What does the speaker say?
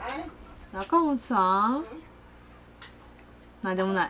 何でもない。